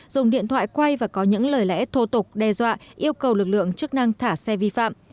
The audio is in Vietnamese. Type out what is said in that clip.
dùng điện thoại quay và có những lời lẽ thô tục đe dọa yêu cầu lực lượng chức năng thả xe vi phạm